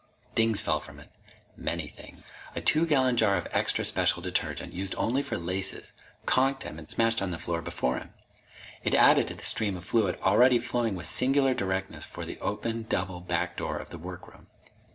Things fell from it. Many things. A two gallon jar of extra special detergent, used only for laces, conked him and smashed on the floor before him. It added to the stream of fluid already flowing with singular directness for the open, double, back door of the workroom.